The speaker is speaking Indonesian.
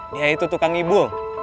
dia itu tukang ibu